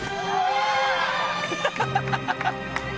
ハハハハ。